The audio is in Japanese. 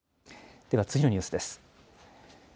では次のニュースです。